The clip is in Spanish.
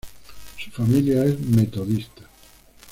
Su familia es metodista.